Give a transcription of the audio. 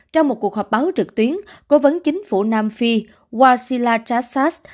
trong một cuộc họp báo trực tuyến cố vấn chính phủ nam phi walsila chassas